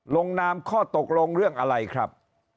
ลงนามข้อตกลงเรื่องอะไรครับ